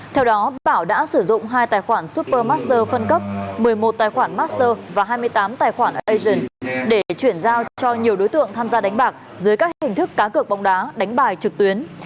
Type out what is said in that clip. theo đó bảo đã sử dụng hai tài khoản super master phân cấp một mươi một tài khoản master và hai mươi tám tài khoản asian để chuyển giao cho nhiều đối tượng tham gia đánh bạc dưới các hình thức cá cược bóng đá đánh bài trực tuyến